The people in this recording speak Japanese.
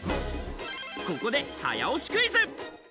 ここで早押しクイズ！